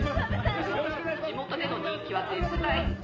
「地元での人気は絶大」